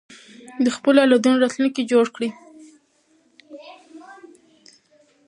د خپلو اولادونو راتلونکی جوړ کړئ.